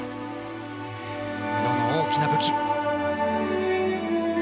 宇野の大きな武器。